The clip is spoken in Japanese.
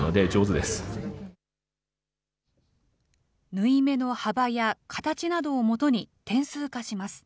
縫い目の幅や形などをもとに点数化します。